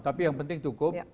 tapi yang penting cukup